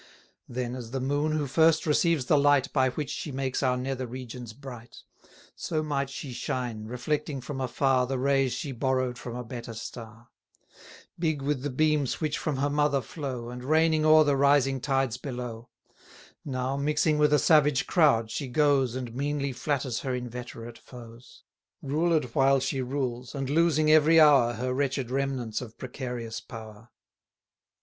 500 Then, as the moon who first receives the light By which she makes our nether regions bright, So might she shine, reflecting from afar The rays she borrow'd from a better star; Big with the beams which from her mother flow, And reigning o'er the rising tides below: Now, mixing with a savage crowd, she goes, And meanly flatters her inveterate foes; Ruled while she rules, and losing every hour Her wretched remnants of precarious power.